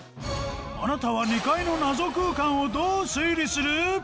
あなたは２階の謎空間をどう推理する？